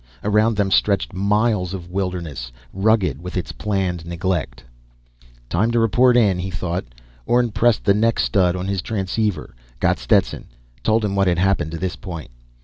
Around them stretched miles of wilderness, rugged with planned neglect. Time to report in, he thought. Orne pressed the neck stud on his transceiver, got Stetson, told him what had happened to this point.